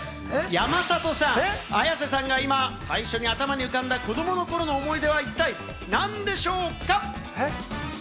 山里さん、綾瀬さんが今、最初に頭に浮かんだ子どもの頃の思い出は何でしょうか？